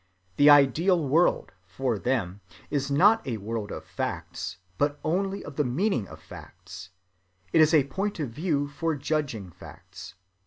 The ideal world, for them, is not a world of facts, but only of the meaning of facts; it is a point of view for judging facts.